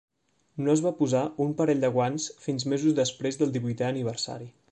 No es va posar un parell de guants fins mesos després del divuitè aniversari.